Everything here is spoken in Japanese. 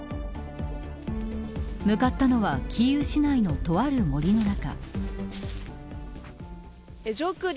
向かったのはキーウ市内のとある森の中。